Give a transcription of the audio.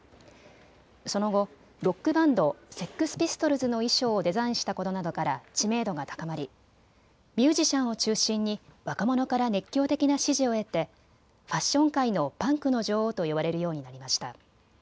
その後、ロックバンド、セックス・ピストルズの衣装をデザインしたことなどから知名度が高まりミュージシャンを中心に若者から熱狂的な支持を得てファッション界のパンクの女王と呼ばれるようになりました。